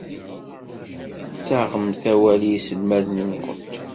Ttaɣemt awal i yiselmaden-nwent.